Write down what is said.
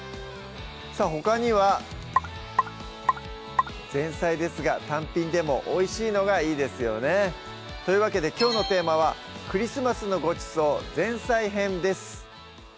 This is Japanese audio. さぁほかには前菜ですが単品でもおいしいのがいいですよねというわけできょうのテーマは「クリスマスのごちそう前菜編」です